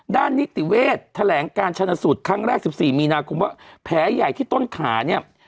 ด้านนิติเวทย์แถลงการชนสูตรครั้งแรกสิบสี่มีนาคมว่าแผลใหญ่ที่ต้นขาเนี่ย